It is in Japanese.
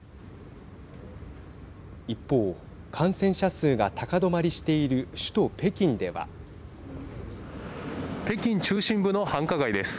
一方、感染者数が高止まりしている北京中心部の繁華街です。